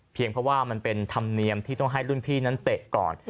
เพราะว่ามันเป็นธรรมเนียมที่ต้องให้รุ่นพี่นั้นเตะก่อน